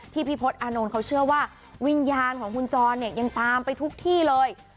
ที่พี่พล็อตอานนท์เขาเชื่อว่าวิญญาณของคุณจรยังตามไปทุกที่เลย